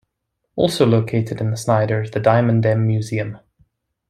Also located in Snyder is the Diamond M Museum.